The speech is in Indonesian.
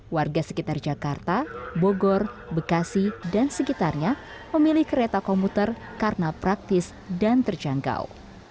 warga sekitar jakarta bogor bekasi dan sekitarnya memilih kereta komuter karena praktis dan terjangkau